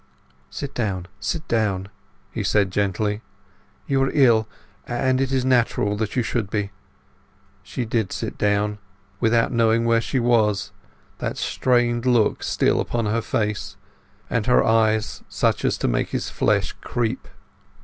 "Sit down, sit down," he said gently. "You are ill; and it is natural that you should be." She did sit down, without knowing where she was, that strained look still upon her face, and her eyes such as to make his flesh creep.